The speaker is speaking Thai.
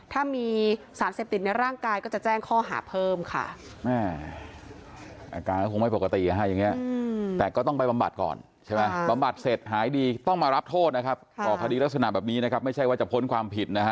ถ้ามีสารเสพติดในร่างกายก็จะแจ้งข้อหาเพิ่มค่ะ